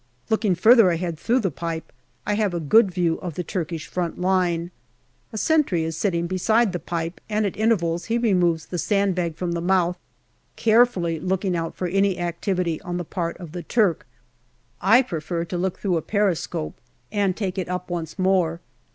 Looking further ahead through the pipe, I have a good view of the Turkish front line. A sentry is sitting beside the pipe, and at intervals he removes the sand bag from the mouth, carefully looking out for any activity on the part of the Turk. I prefer to look through a periscope, and take it up once more.